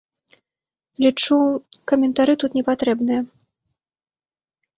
Лічу, каментары тут не патрэбныя.